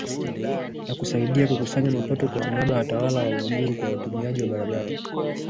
na kusaidia kukusanya mapato kwa niaba ya Watawala wa Uluguru kwa watumiaji wa barabara